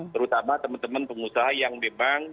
terutama teman teman pengusaha yang memang